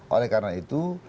oleh karena itu